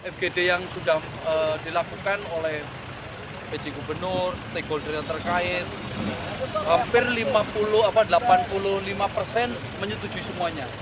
fgd yang sudah dilakukan oleh pj gubernur stakeholder yang terkait hampir delapan puluh lima persen menyetujui semuanya